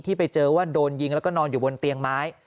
ไปเจอว่าโดนยิงแล้วก็นอนอยู่บนเตียงไม้